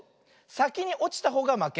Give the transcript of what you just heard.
さきにおちたほうがまけ。